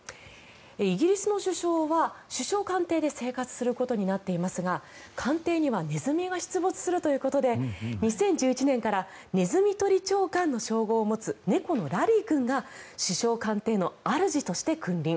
イギリスの首相は首相官邸で生活することになっていますが官邸にはネズミが出没するということで２０１１年からネズミ捕り長官の称号を持つ猫のラリー君が首相官邸の主として君臨。